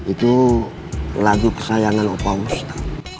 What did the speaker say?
itu lagu kesayangan opa ustadz